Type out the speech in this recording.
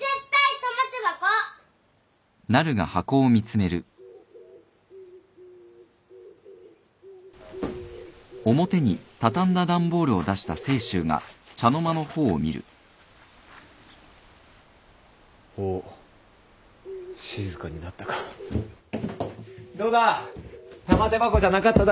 玉手箱じゃなかっただろ。